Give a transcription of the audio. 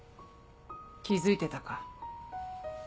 気付いてたか。